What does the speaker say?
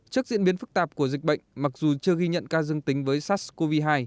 trước diễn biến phức tạp của dịch bệnh mặc dù chưa ghi nhận ca dương tính với sars cov hai